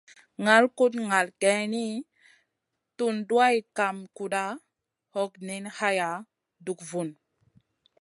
Ŋal kuɗ ŋal geyni, tun duwayda kam kuɗa, hog niyn haya, dug vun.